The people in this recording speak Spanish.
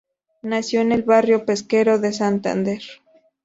Nació en El Barrio Pesquero de Santander.